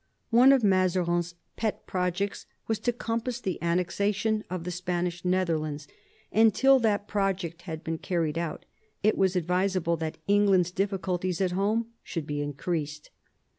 One of Mazarin's pet projects was to compass the annexation of the Spanish Nether lands, and till that project had been carried out it was advisable that England's difficulties at home should be increased.